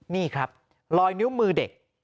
นี่ครับลอยนิ้วมือเด็ก